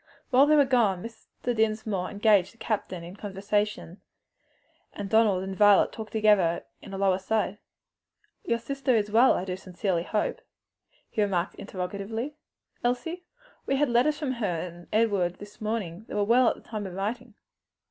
While they were gone Mr. Dinsmore engaged the captain in conversation, and Donald and Violet talked together in a low aside. "Your sister is well, I hope?" he remarked interrogatively. "Elsie? We had letters from her and Edward this morning. They were well at the time of writing."